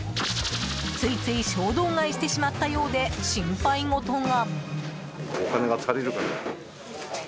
ついつい衝動買いしてしまったようで心配事が。